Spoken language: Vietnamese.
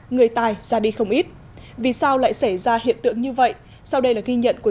người tài ra đi không ít vì sao lại xảy ra hiện tượng như vậy sau đây là ghi nhận của